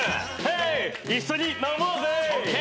一緒に飲もうぜ。